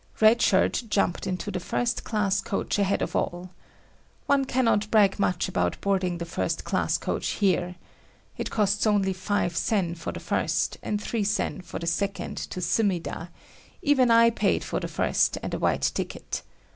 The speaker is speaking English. Red Shirt jumped into the first class coach ahead of all. One cannot brag much about boarding the first class coach here. It cost only five sen for the first and three sen for the second to Sumida; even I paid for the first and a white ticket.